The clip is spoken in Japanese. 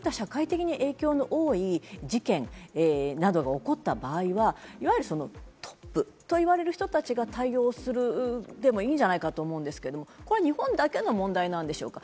こういった社会的に影響の多い事件などが起こった場合は、いわゆるトップといわれる人たちが対応をする、してもいいんじゃないかと思うんですが、日本だけの問題なんでしょうか？